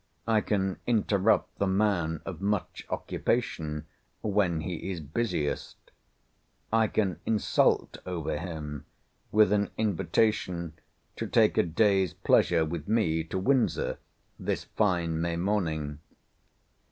I can interrupt the man of much occupation when he is busiest. I can insult over him with an invitation to take a day's pleasure with me to Windsor this fine May morning.